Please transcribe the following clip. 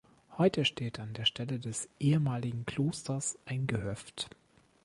Heute steht an der Stelle des ehemaligen Klosters ein Gehöft.